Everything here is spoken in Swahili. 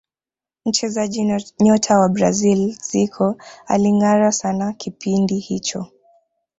mchezaji nyota wa brazil zico alingara sana kipindi hicho